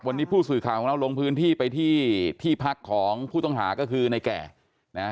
วันนี้ผู้สื่อข่าวของเราลงพื้นที่ไปที่ที่พักของผู้ต้องหาก็คือในแก่นะฮะ